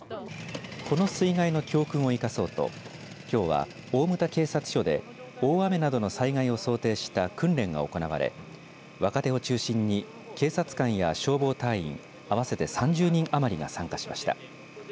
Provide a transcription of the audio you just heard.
この水害の教訓を生かそうときょうは、大牟田警察署で大雨などの災害を想定した訓練が行われ若手を中心に警察官や消防隊員合わせて３０人余りが参加しました。